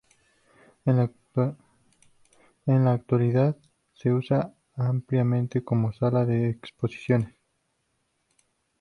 En la actualidad se usa ampliamente como sala de exposiciones.